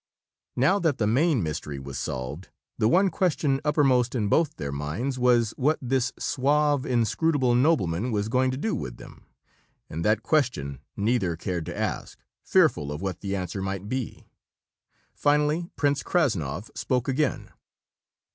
Now that the main mystery was solved, the one question uppermost in both their minds was what this suave, inscrutable nobleman was going to do with them and that question neither cared to ask, fearful of what the answer might be. Finally Prince Krassnov spoke again.